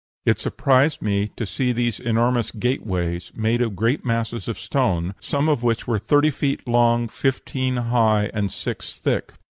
It surprised me to see these enormous gate ways, made of great masses of stone, some of which were thirty feet long, fifteen high, and six thick."